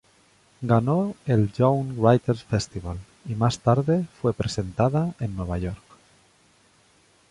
Ganó el Young Writers' Festival, y más tarde fue presentada en Nueva York.